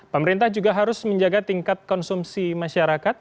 pemerintah juga harus menjaga tingkat konsumsi masyarakat